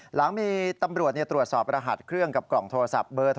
หลังมีตำรวจตรวจสอบรหัสเครื่องกับกล่องโทรศัพท์เบอร์โทร